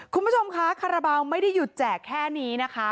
คุณผู้ชมคะคาราบาลไม่ได้หยุดแจกแค่นี้นะคะ